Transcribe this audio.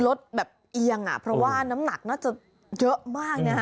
รถแบบเอียงอ่ะเพราะว่าน้ำหนักน่าจะเยอะมากนะฮะ